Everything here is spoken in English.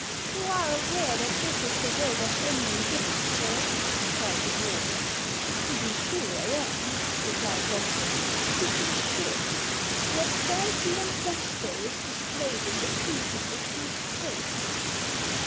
"You are aware that this is the work of Grinling Gibbons, sir?" cried the dwarf. "To be sure I am," replied Loftus "to be sure. What fancy and gusto is displayed in the treatment of these trophies!"